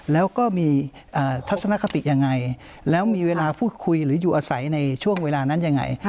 แล้วก็มีทัศนคติยังไงแล้วมีเวลาพูดคุยหรืออยู่อาศัยในช่วงเวลานั้นยังไง